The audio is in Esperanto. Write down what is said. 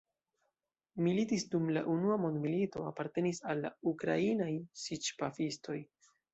Militis dum la Unua mondmilito, apartenis al Ukrainaj siĉ-pafistoj.